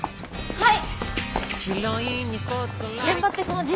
はい。